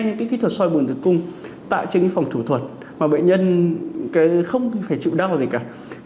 cái kỹ thuật soi bùn tử cung tại trên phòng thủ thuật mà bệnh nhân không phải chịu đau gì cả